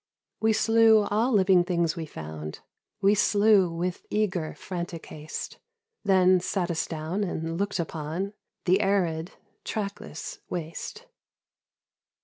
We slew all living things we found, We slew with eager, frantic haste, Then sat us down and looked upon The arid, trackless waste.